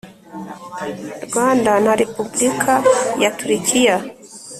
Rwanda na Repubulika ya Turikiya